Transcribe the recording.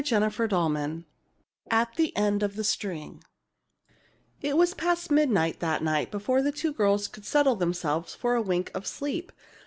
CHAPTER VIII AT THE END OF THE STRING It was past midnight, that night, before the two girls could settle themselves for a wink of sleep.